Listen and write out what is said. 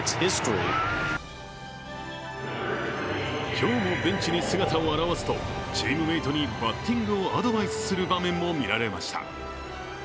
今日もベンチに姿を現すと、チームメートにバッティングをアドバイスする場面も見られました。